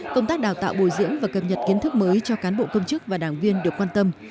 công tác đào tạo bồi dưỡng và cập nhật kiến thức mới cho cán bộ công chức và đảng viên được quan tâm